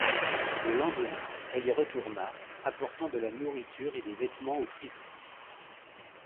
Le lendemain, elle y retourna, apportant de la nourriture et des vêtements aux prisonniers.